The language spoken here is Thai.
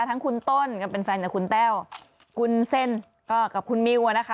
ทั้งคุณต้นก็เป็นแฟนกับคุณแต้วคุณเซ็นก็กับคุณมิวอะนะคะ